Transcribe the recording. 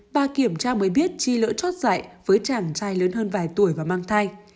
bà kiểm tra mới biết chi lỡ chót dậy với chàng trai lớn hơn vài tuổi và mang thai